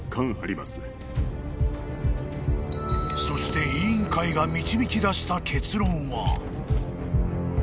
［そして委員会が導き出した結論は？］